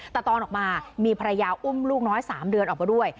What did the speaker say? แต่ตอนออกมามีภรรยาอุ้มลูกน้อย๓เดือนออกมาด้วย